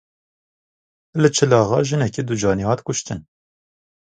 Li Çil Axa jineke ducanî hat kuştin.